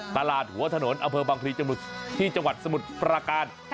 ตลาดหัวถนนอเผอบางทีจมุดที่จังหวัดสมุดประกาศ